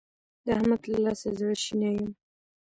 د احمد له لاسه زړه شنی يم.